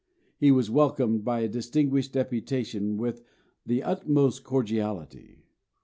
He was welcomed by a distinguished deputation with the utmost cordiality.